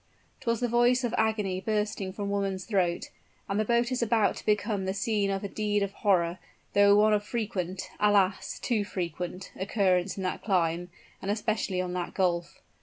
'Twas the voice of agony bursting from woman's throat; and the boat is about to become the scene of a deed of horror, though one of frequent alas! too frequent occurrence in that clime, and especially on that gulf.